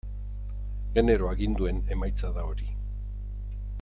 Genero aginduen emaitza da hori.